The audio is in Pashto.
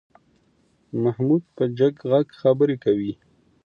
محمود په جګ غږ خبرې کوي.